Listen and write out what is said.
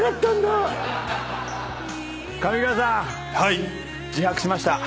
上川さん自白しました。